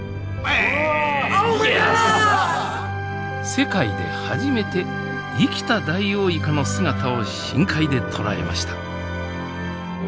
世界で初めて生きたダイオウイカの姿を深海で捉えました。